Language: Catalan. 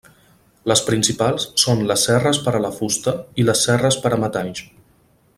Les principals són les serres per a la fusta i les serres per a metalls.